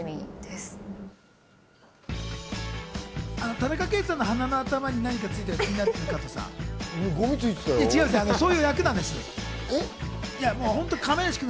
田中圭さんの鼻の頭に何かついてて気になっている加藤さん。